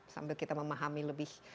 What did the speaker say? sambil kita memahami lebih